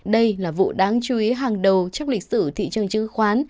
đây là vụ đáng chú ý hàng đầu trong lịch sử thị trường chứng khoán